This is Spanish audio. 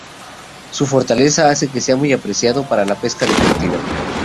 Su fortaleza hace que sea muy apreciado para la pesca deportiva.